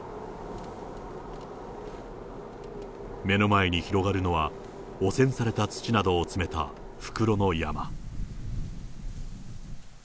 目の前に広がるのは、汚染された土などを詰めた袋の山。